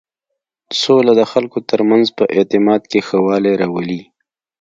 سوله د خلکو تر منځ په اعتماد کې ښه والی راولي.